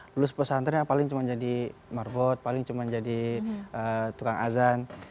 lulus pesantren paling cuman jadi marbot paling cuman jadi tukang azan